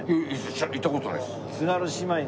行った事ないです。